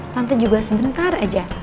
tante juga sebentar aja